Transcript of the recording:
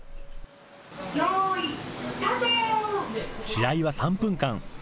試合は３分間。